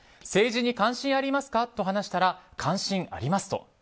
政治関心ありますかと話したら関心ありますと。